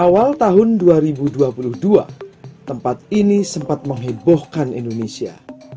awal tahun dua ribu dua puluh dua tempat ini sempat menghiburkan indonesia